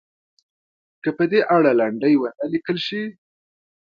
که په دې اړه لنډۍ ونه لیکل شي.